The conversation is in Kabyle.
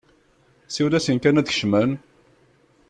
Siwel-asen kan ad d-kecmen!